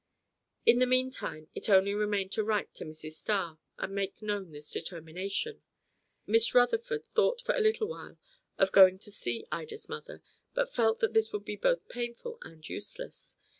In the meantime, it only remained to write to Mrs. Starr, and make known this determination. Miss Rutherford thought for a little while of going to see Ida's mother, but felt that this would be both painful and useless.